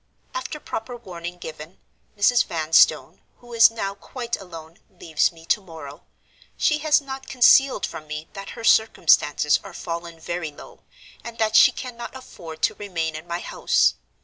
"After proper warning given, Mrs. Vanstone (who is now quite alone) leaves me to morrow. She has not concealed from me that her circumstances are fallen very low, and that she cannot afford to remain in my house.